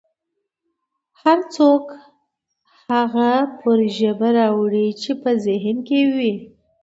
هر څوک هغه څه پر ژبه راوړي چې په ذهن کې یې وي